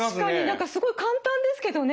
何かすごい簡単ですけどね。